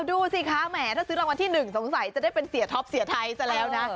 ดูสิคะแหมถ้าซื้อรางวัลที่๑สงสัยจะได้เป็นเสียท็อปเสียไทยซะแล้วนะ